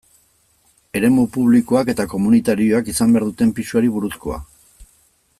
Eremu publikoak eta komunitarioak izan behar duten pisuari buruzkoa.